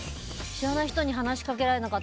知らない人に話しかけられると。